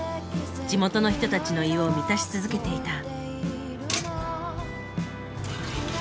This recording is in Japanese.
地元の人たちの胃を満たし続けていた。